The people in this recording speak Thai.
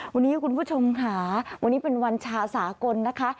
วันนี้คุณผู้ชมค่ะวันนี้เป็นวันชาสากลนะคะ